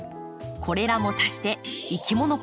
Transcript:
これらも足していきもの